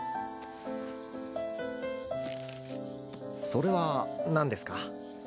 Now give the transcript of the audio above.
それは何ですか？